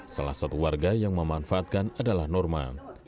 salah satu warga yang memanfaatkan adalah norma